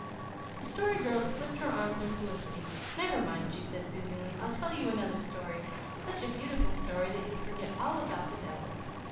The Story Girl slipped her arm through Felicity's. "Never mind," she said soothingly. "I'll tell you another story such a beautiful story that you'll forget all about the devil."